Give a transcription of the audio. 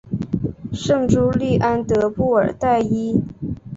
圣朱利安德布尔代伊。